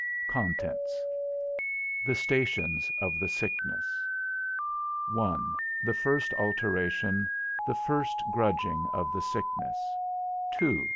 CONTENTS The Stations of the Sickness PAGE 1. The first alteration, the first grudging of the sickness 7 2.